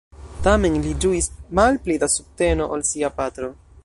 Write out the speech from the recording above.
Tamen li ĝuis malpli da subteno ol sia patro.